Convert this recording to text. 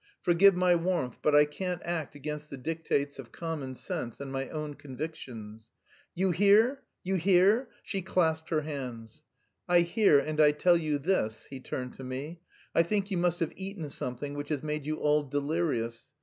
Forgive my warmth, but I can't act against the dictates of common sense and my own convictions." "You hear! You hear!" She clasped her hands. "I hear, and I tell you this." He turned to me. "I think you must have eaten something which has made you all delirious.